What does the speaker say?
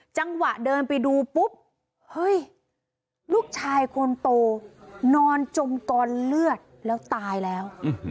จังหวะเดินไปดูปุ๊บเฮ้ยลูกชายคนโตนอนจมกองเลือดแล้วตายแล้ว